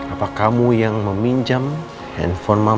apa kamu yang meminjam handphone